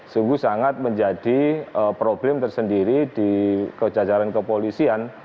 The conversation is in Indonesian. sungguh sangat menjadi problem tersendiri di kejajaran kepolisian